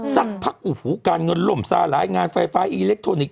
สักพักการเงินล่มสารายงานไฟฟ้าอิเล็กโทนิกส์